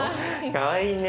かわいいね。